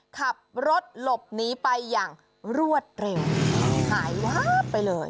ขับรถหลบหนีไปอย่างรวดเร็วหายลาบไปเลย